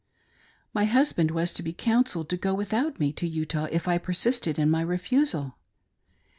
My husband was to be counselled to go without me to Utah, if I persisted in my refusal.